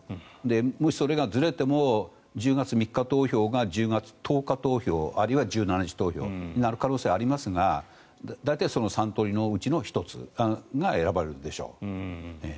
もし、それがずれても１０月３日投票が１０月１０日投票あるいは１７日投票になる可能性はありますが大体その３通りのうちの１つが選ばれるでしょう。